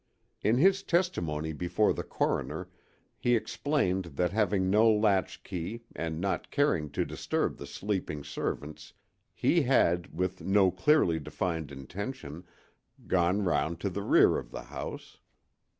In his testimony before the coroner he explained that having no latchkey and not caring to disturb the sleeping servants, he had, with no clearly defined intention, gone round to the rear of the house.